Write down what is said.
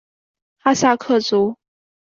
哈萨克族。